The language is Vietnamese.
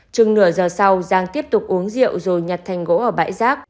trừng nửa giờ sau giang tiếp tục uống rượu rồi nhặt thành gỗ ở bãi giác